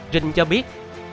rình cho biết